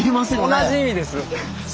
同じ意味です。